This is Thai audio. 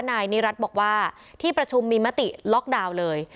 นายนิรัติบอกว่าที่ประชุมมีมติล็อกดาวน์เลย